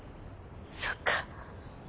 そっか。